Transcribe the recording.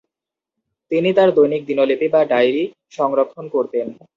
তিনি তার দৈনিক দিনলিপি বা ডায়রী সংরক্ষণ করতেন।